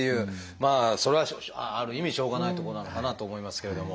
まあそれはある意味しょうがないとこなのかなと思いますけれども。